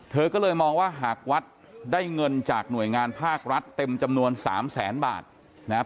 เธอก็เลยมองว่าหากวัดได้เงินจากหน่วยงานภาครัฐเต็มจำนวน๓แสนบาทนะครับ